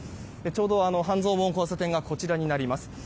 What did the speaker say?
ちょうど半蔵門交差点がこちらになります。